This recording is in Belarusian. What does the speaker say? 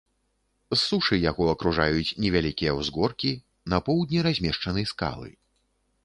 З сушы яго акружаюць невялікія ўзгоркі, на поўдні размешчаны скалы.